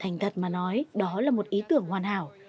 thành thật mà nói đó là một ý tưởng hoàn hảo